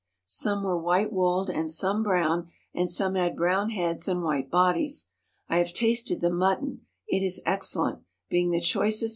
Some were white wooled and some brown, and some had brown heads and white bodies. I have tasted the mutton; it is excellent, being the choicest meat to be had at the hotels.